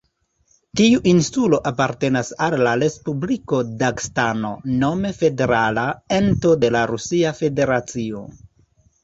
Tiu insulo apartenas al la Respubliko Dagestano, nome federala ento de la Rusia Federacio.